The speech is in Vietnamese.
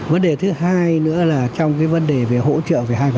vấn đề thứ hai nữa là trong cái vấn đề về hỗ trợ về hai